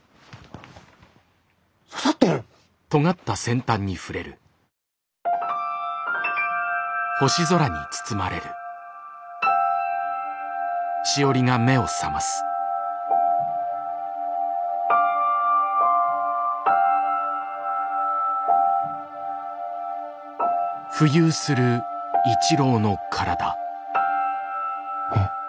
刺さってる？え！？